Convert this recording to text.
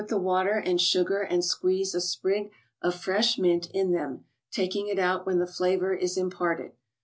the water and sugar and squeeze a sprig of fresh mint in them, taking it out when the flavor is imparted.